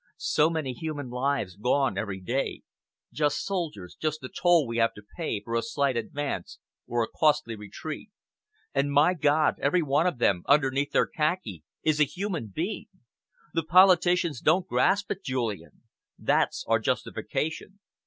So many human lives gone every day; just soldiers, just the toll we have to pay for a slight advance or a costly retreat. And, my God, every one of them, underneath their khaki, is a human being! The politicians don't grasp it, Julian. That's our justification.